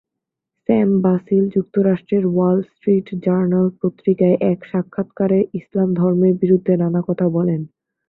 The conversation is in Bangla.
স্যাম বাসিল যুক্তরাষ্ট্রের ওয়াল স্ট্রিট জার্নাল পত্রিকায় এক সাক্ষাৎকারে ইসলাম ধর্মের বিরুদ্ধে নানা কথা বলেন।